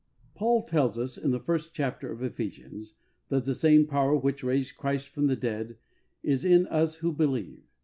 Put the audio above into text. P AUL tells US, in the first chapter of Ephesians, that the same power which raised Christ from the dead is in us who believe.